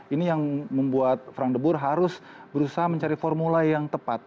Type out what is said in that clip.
ini yang membuat frank the board harus berusaha mencari formula yang tepat